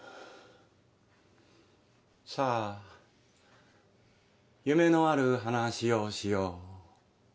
さあ夢のある話をしよう。